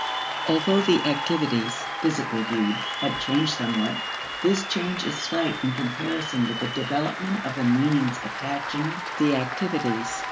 Although the activities, physically viewed, have changed somewhat, this change is slight in comparison with the development of the meanings attaching to the activities.